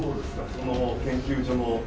その研究所の。